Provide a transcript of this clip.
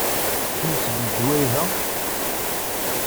Kemm seg lejwayeh-a?